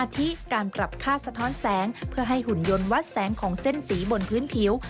ที่การปรับค่าสะท้อนแสงเพื่อให้หุ่นยนต์วัดแสงของเส้นสีบนพื้นผิว